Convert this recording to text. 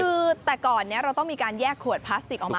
คือแต่ก่อนนี้เราต้องมีการแยกขวดพลาสติกออกมา